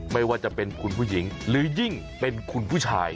ไม่ว่าจะเป็นคุณผู้หญิงหรือยิ่งเป็นคุณผู้ชาย